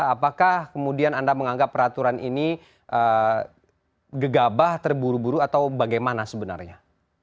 apakah kemudian anda menganggap peraturan ini gegabah terburu buru atau bagaimana sebenarnya